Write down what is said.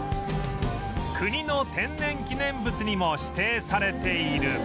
国の天然記念物にも指定されている